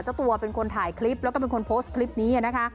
เจ้าตัวเป็นคนถ่ายคลิปแล้วก็เป็นคนโพสต์คลิปนี้นะคะ